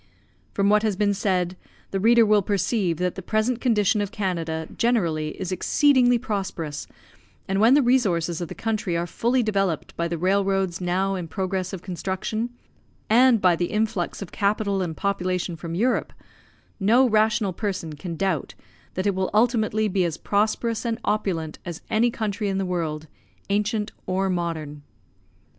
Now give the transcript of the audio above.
From what has been said, the reader will perceive that the present condition of Canada generally is exceedingly prosperous, and when the resources of the country are fully developed by the railroads now in progress of construction, and by the influx of capital and population from Europe, no rational person can doubt that it will ultimately be as prosperous and opulent as any country in the world, ancient or modern.